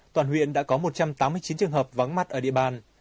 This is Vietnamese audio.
toàn huyện đã có một trăm tám mươi chín trường hợp vắng mặt ở địa bàn